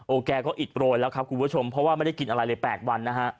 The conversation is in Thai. แกก็อิดโรยแล้วครับคุณผู้ชมเพราะว่าไม่ได้กินอะไรเลย๘วันนะฮะ